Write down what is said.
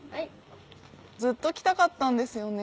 ずっと来たかったんですよね